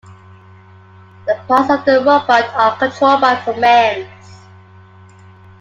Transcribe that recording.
The parts of the robot are controlled by commands.